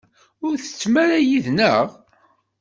Ur tsettem ara yid-nneɣ?